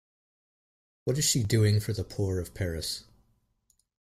What is she doing for the poor of Paris?